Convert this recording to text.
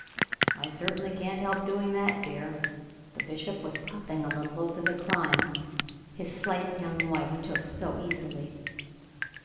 "I certainly can't help doing that, dear." The bishop was puffing a little over the climb his slight young wife took so easily.